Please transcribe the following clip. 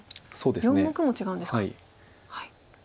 ４目も違うんですか。